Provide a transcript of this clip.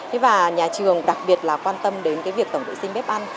thế và nhà trường đặc biệt là quan tâm đến cái việc tổng vệ sinh bếp ăn